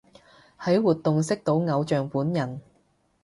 喺活動識到偶像本人